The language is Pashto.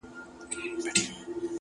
خپل وخت په موخه مصرف کړئ!